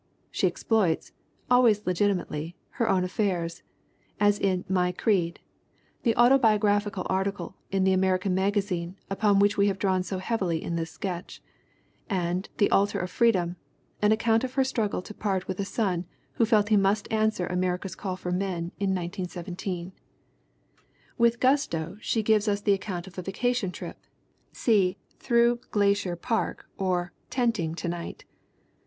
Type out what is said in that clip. She exploits always legitimately her own affairs, as in My Creed, the autobiographical article in the American Magazine upon which we have drawn so heavily in this sketch, and The Altar of Freedom, an account of her struggle to part with a son who felt he must answer America's call for men in 1917. With gusto she gives us the 62 THE WOMEN WHO MAKE OUR NOVELS account of a vacation trip see Through Glacier Park or Tenting To Night.